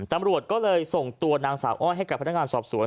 ตำรวจก็เลยส่งตัวนางสาวอ้อยให้กับพนักงานสอบสวน